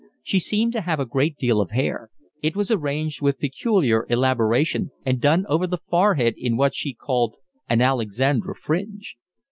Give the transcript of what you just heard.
She seemed to have a great deal of hair: it was arranged with peculiar elaboration and done over the forehead in what she called an Alexandra fringe.